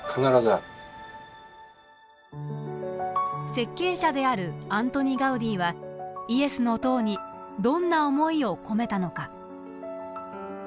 設計者であるアントニ・ガウディはイエスの塔にどんな思いを込めたのか。